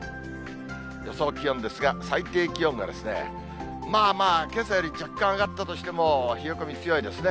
予想気温ですが、最低気温がまあまあ、けさより若干上がったとしても、冷え込み強いですね。